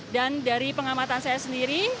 dan dari pengamatan saya sendiri